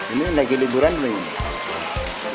ini lagi liburan belum